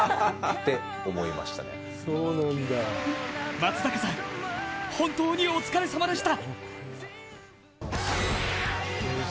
松坂さん、本当にお疲れさまでした！